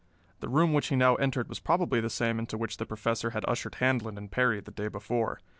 The room which he now entered was probably the same into which the Professor had ushered Handlon and Perry the day before.